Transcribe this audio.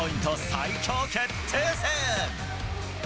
最強決定戦。